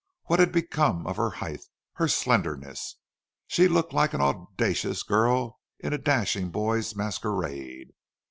What had become of her height, her slenderness? She looked like an audacious girl in a dashing boy masquerade.